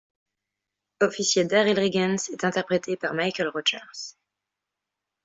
Officier Darryl Riggens est interprété par Michael Rogers.